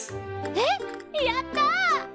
えっやった！